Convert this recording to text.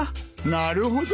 なるほど。